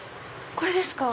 これですか。